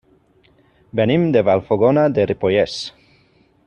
Venim de Vallfogona de Ripollès.